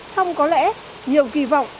song có lẽ nhiều kì vọng